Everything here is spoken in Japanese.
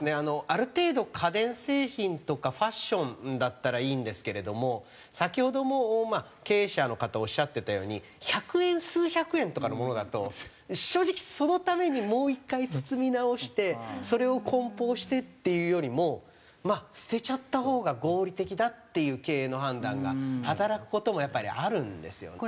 ある程度家電製品とかファッションだったらいいんですけれども先ほども経営者の方おっしゃってたように１００円数百円とかのものだと正直そのためにもう１回包み直してそれを梱包してっていうよりも捨てちゃったほうが合理的だっていう経営の判断が働く事もやっぱりあるんですよね。